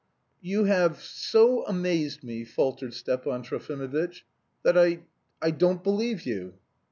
"You have... so amazed me..." faltered Stepan Trofimovitch, "that I don't believe you."